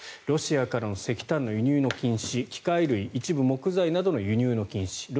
ロシアからの石炭の輸入の禁止機械類、一部木材などの輸入禁止